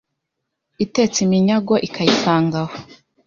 Itetse iminyago ikayisanga aho